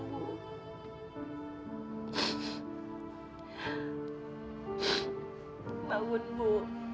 ibu harus bangun ya